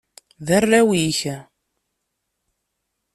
D arraw-ik.